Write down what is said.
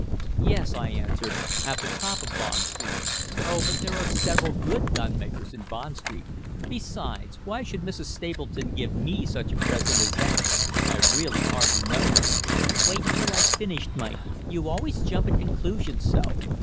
"Yes," I answered, "at the top of Bond Street. Oh, but there are several good gun makers in Bond Street. Besides, why should Mrs. Stapleton give me such a present as that? I really hardly know her." "Wait until I've finished, Mike, you always jump at conclusions so.